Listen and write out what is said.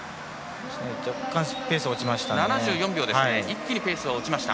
若干ペースが落ちました。